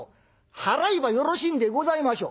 払えばよろしいんでございましょ？」。